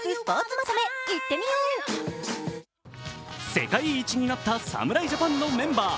世界一になった侍ジャパンのメンバー。